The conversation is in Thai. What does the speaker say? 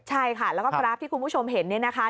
ใช่ค่ะแล้วก็กราฟที่คุณผู้ชมเห็นเนี่ยนะคะ